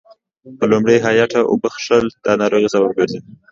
په لمړه هيټه اوبه څښل دا ناروغۍ سبب ګرځي